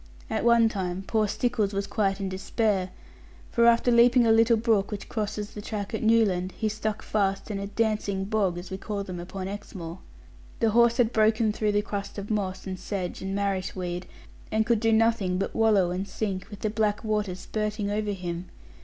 At one time poor Stickles was quite in despair; for after leaping a little brook which crosses the track at Newland, be stuck fast in a 'dancing bog,' as we call them upon Exmoor. The horse had broken through the crust of moss and sedge and marishweed, and could do nothing but wallow and sink, with the black water spirting over him.